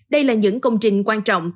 đây là những công trình quan trọng